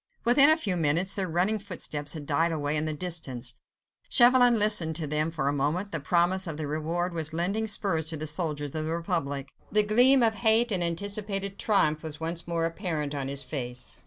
Within a few minutes their running footsteps had died away in the distance. Chauvelin listened to them for a moment; the promise of the reward was lending spurs to the soldiers of the Republic. The gleam of hate and anticipated triumph was once more apparent on his face.